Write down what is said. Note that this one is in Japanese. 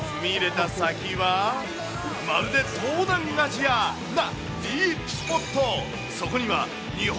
でも一歩踏み入れた先は、まるで東南アジアなディープスポット。